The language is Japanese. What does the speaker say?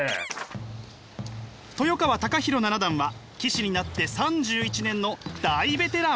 豊川孝弘七段は棋士になって３１年の大ベテラン。